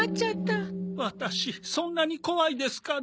ワタシそんなに怖いですかね？